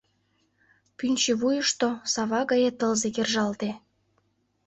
Пӱнчӧ вуйышто сава гае тылзе кержалте.